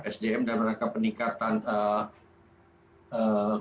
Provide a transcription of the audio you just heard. sdm dalam rangka peningkatan kemaskapan